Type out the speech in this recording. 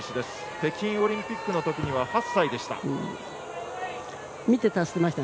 北京オリンピックの時には８歳でした。